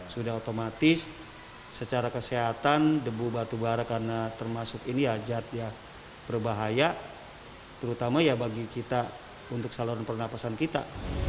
sudah otomatis secara kesehatan debu batubara karena termasuk ini ya jad ya berbahaya terutama ya bagi kita untuk saluran pernapasan kita